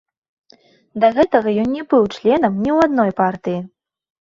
Да гэтага ён не быў членам ні ў адной партыі.